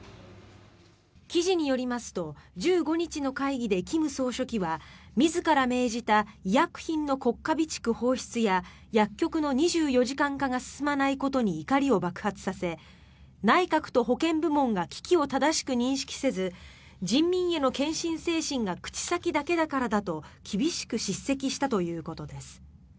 記事によりますと１５日の会議で金総書記は自ら命じた医薬品の国家備蓄放出や薬局の２４時間化が進まないことに怒りを爆発させ内閣と保健部門が危機を正しく認識せず人民への献身精神が口先だけだからだと厳しく叱責したということです。